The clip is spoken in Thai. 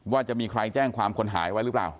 ว่าจะมีใครแจ้งความคนหายไว้หรือเปล่า